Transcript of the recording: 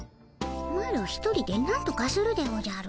マロ一人でなんとかするでおじゃる。